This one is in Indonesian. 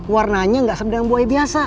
warnanya tidak sama dengan buaya biasa